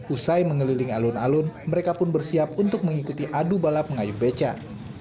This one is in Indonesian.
usai mengeliling alun alun mereka pun bersiap untuk mengikuti adu balap mengayuh becak